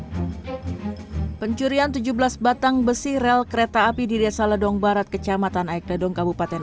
hai pencurian tujuh belas batang besi rel kereta api di desa ledong barat kecamatan aikledong kabupaten